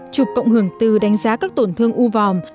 chụp cộng hưởng từ đánh giá các tổn thương u vòm